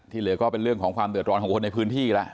เหลือก็เป็นเรื่องของความเดือดร้อนของคนในพื้นที่แล้ว